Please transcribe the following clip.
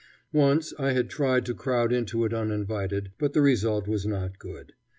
Once I had tried to crowd into it uninvited, but the result was not good.